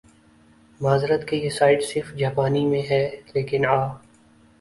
معذرت کہ یہ سائیٹ صرف جاپانی میں ھے لیکن آ